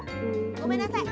ごめんなさい。